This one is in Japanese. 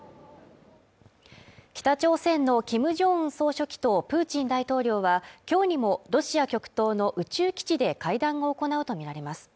北朝鮮のキム・ジョンウン総書記とプーチン大統領は今日にもロシア極東の宇宙基地で会談を行うとみられます